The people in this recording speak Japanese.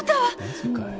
マジかよ？